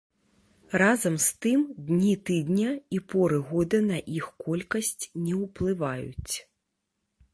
Разам з тым дні тыдня і поры года на іх колькасць не ўплываюць.